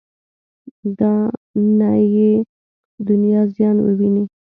دا نه یې دنیا زیان وویني.